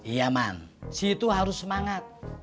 iya man situ harus semangat